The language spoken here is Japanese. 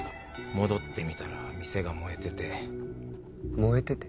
戻ってみたら店が燃えてて燃えてて？